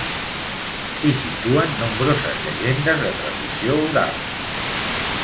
S'hi situen nombroses llegendes de tradició oral.